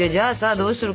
どうする？